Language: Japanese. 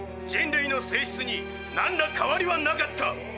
人類の性質になんら変わりはなかった。